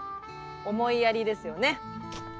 思いやりですよね。